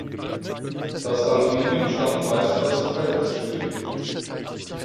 Das Aluminium stammt meist aus Feldspäten.